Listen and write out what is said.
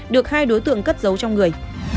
được hai đối tượng cất giấu trong người